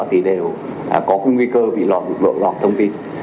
thì đều có nguy cơ bị lọt thông tin